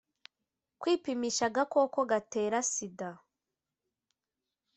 kwipimisha agakoko gatera sida